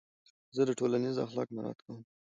زه ټولنیز اخلاق مراعت کوم.